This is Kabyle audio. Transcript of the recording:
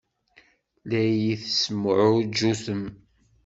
La iyi-tessemɛuǧǧutem.